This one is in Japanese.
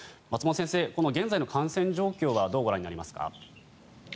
松本先生、現在の感染状況はどうご覧になりますか？